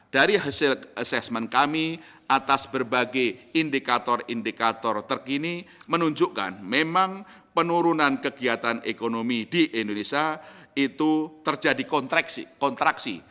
dari hasil asesmen kami atas berbagai indikator indikator terkini menunjukkan memang penurunan kegiatan ekonomi di indonesia itu terjadi kontraksi